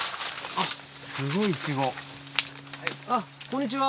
あっこんにちは。